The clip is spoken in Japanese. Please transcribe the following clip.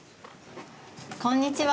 こんにちは。